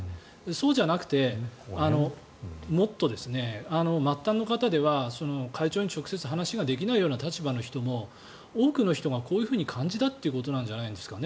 そうじゃなくてもっと末端の方では会長に直接話ができないような立場の人も多くの人がこう感じたということなんじゃないですか。